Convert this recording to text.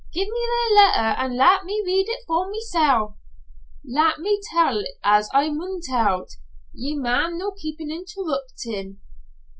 Gie me the letter an' lat me read it for mysel'." "Lat me tell't as I maun tell't. Ye maun no keep interruptin'.